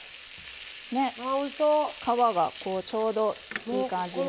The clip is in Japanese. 皮が、ちょうどいい感じに。